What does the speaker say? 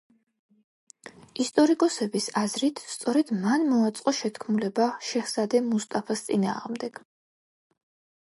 ისტორიკოსების აზრით, სწორედ მან მოაწყო შეთქმულება შეჰზადე მუსტაფას წინააღმდეგ.